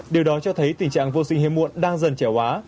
điều đó cho thấy tình trạng vô sinh hiếm muộn đang dần trẻ hóa